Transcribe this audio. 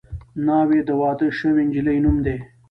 ناوې د واده شوې نجلۍ نوم دی